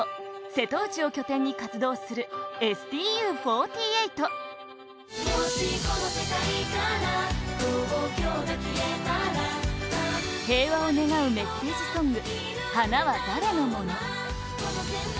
瀬戸内を拠点に活動するＳＴＵ４８平和を願うメッセージソング「花は誰のもの？」